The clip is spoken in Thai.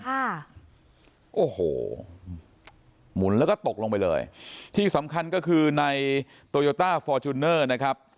ค่ะโอ้โหหมุนแล้วก็ตกลงไปเลยที่สำคัญก็คือในโตโยต้าฟอร์จูเนอร์นะครับ